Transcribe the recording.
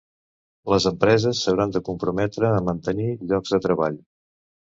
Les empreses s'hauran de comprometre a mantenir llocs de treball.